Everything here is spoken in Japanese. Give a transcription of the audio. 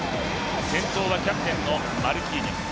先頭はキャプテンのマルキーニョス。